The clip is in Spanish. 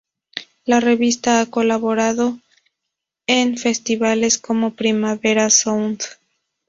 La revista ha colaborado en festivales como Primavera Sound.